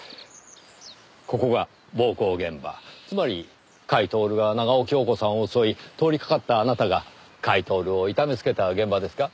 ここが暴行現場つまり甲斐享が長尾恭子さんを襲い通りかかったあなたが甲斐享を痛めつけた現場ですか？